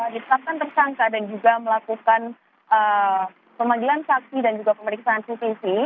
ditetapkan tersangka dan juga melakukan pemanggilan saksi dan juga pemeriksaan cvc